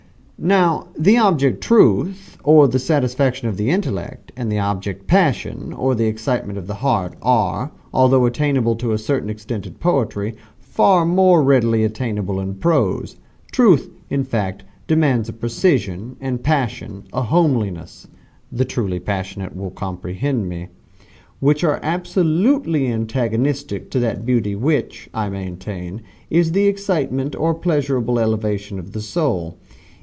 Now the object Truth, or the satisfaction of the intellect, and the object Passion, or the excitement of the heart, are, although attainable to a certain extent in poetry, far more readily attainable in prose. Truth, in fact, demands a precision, and Passion, a homeliness (the truly passionate will comprehend me), which are absolutely antagonistic to that Beauty which, I maintain, is the excitement or pleasurable elevation of the soul.